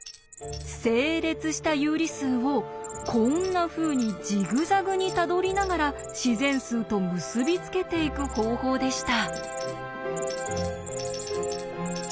整列した有理数をこんなふうにジグザグにたどりながら自然数と結び付けていく方法でした。